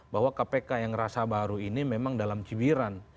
bahwa kpk yang rasa baru ini memang dalam cibiran